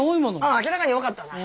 うん明らかに多かったな。